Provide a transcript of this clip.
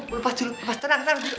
lepas dulu lepas tenang tenang